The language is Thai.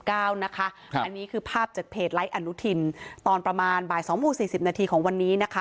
อันนี้คือภาพจากเพจไลก์อนุทินตอนประมาณ๒๔๐นของวันนี้